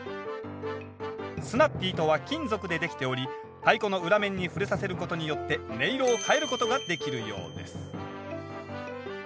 スナッピーとは金属で出来ており太鼓の裏面に触れさせることによって音色を変えることができるようです